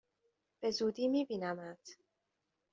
به زودی می بینمت!